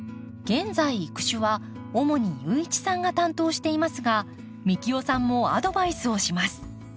現在育種は主に雄一さんが担当していますが幹雄さんもアドバイスをします。